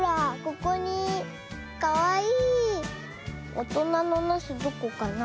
おとなのなすどこかな？